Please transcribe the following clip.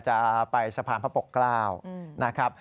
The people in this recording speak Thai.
จะไปสะพานพระปกเกล้านะครับ